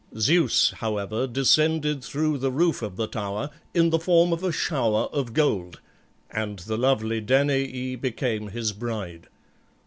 Zeus, however, descended through the roof of the tower in the form of a shower of gold, and the lovely Danaë became his bride.